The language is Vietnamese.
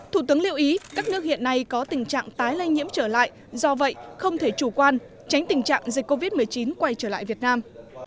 thủ tướng lưu ý các nước hiện nay có tình trạng tái lây nhiễm trở lại do vậy không thể chủ quan tránh tình trạng dịch covid một mươi chín quay trở lại việt nam